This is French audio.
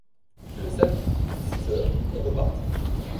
Le samedi, à six heures, on repartit.